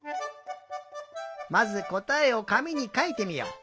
まずこたえをかみにかいてみよう。